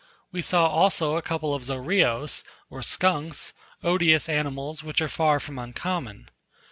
We saw also a couple of Zorillos, or skunks, odious animals, which are far from uncommon.